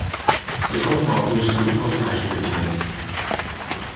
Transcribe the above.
Die Aufbauten bestanden aus Leichtmetall.